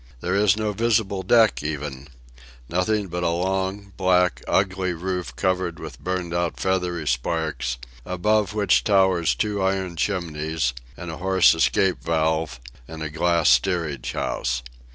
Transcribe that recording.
There is no visible deck, even: nothing but a long, black, ugly roof covered with burnt out feathery sparks; above which tower two iron chimneys, and a hoarse escape valve, and a glass steerage house.